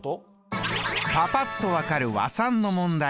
パパっと分かる和算の問題